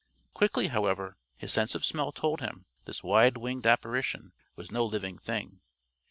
Quickly, however, his sense of smell told him this wide winged apparition was no living thing.